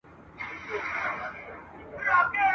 مساپري بده بلا ده ..